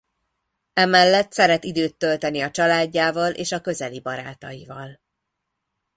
Emellett szeret időt tölteni a családjával és a közeli barátaival.